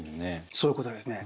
そういうことですね。